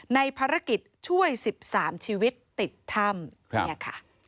ในภารกิจช่วย๑๓ชีวิตติดถ้ำเนี่ยค่ะ